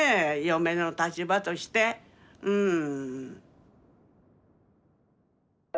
嫁の立場としてうん。